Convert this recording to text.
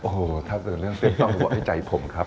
โอ้โหถ้าเป็นเรื่องเป็นต้องบอกให้ใจผมครับ